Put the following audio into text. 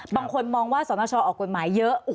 บางคนมองว่าสนชออกกฎหมายเยอะ